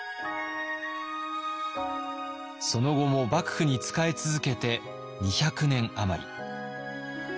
その後も幕府に仕え続けて２００年余り。